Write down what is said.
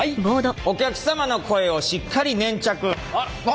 「お客様の声をしっかり粘着！！」。